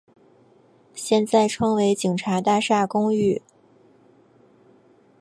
现在称为警察大厦公寓。